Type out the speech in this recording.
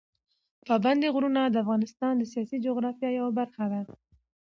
پابندي غرونه د افغانستان د سیاسي جغرافیه یوه برخه ده.